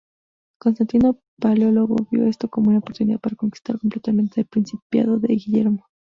Constantino Paleólogo vio esto como una oportunidad para conquistar completamente el principado de Guillermo.